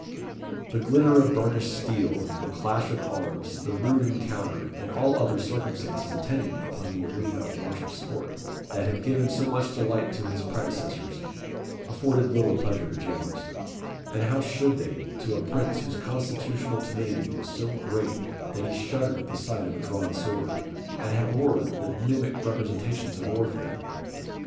The glitter of burnished steel, the clash of arms, the rude encounter, and all other circumstances attendant upon the arena of martial sport, that had given so much delight to his predecessors, afforded little pleasure to James; as how should they, to a prince whose constitutional timidity was so great that he shuddered at the sight of a drawn sword, and abhorred the mimic representations of warfare!